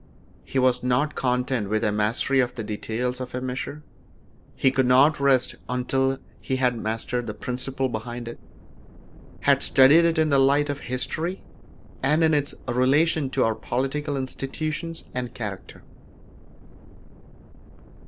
He was not content with a mastery of the details of a measure; he could not rest until he had mastered the principle behind it, had studied it in the light of history, and in its relation to our political institutions and character.